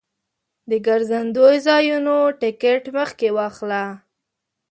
د ګرځندوی ځایونو ټکټ مخکې واخله.